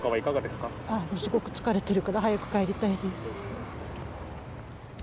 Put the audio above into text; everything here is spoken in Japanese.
すごく疲れてるから早く帰りたいです。